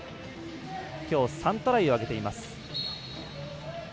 きょう、３トライを挙げています。